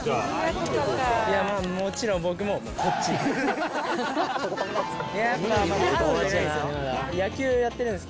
もちろん僕もこっちです。